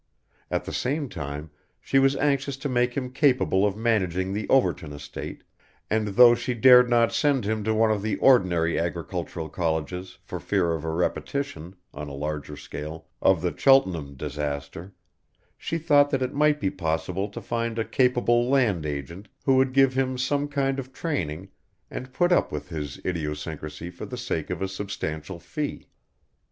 At the same time, she was anxious to make him capable of managing the Overton estate, and though she dared not send him to one of the ordinary agricultural colleges for fear of a repetition, on a larger scale, of the Cheltenham disaster, she thought that it might be possible to find a capable land agent who would give him some kind of training and put up with his idiosyncrasy for the sake of a substantial fee.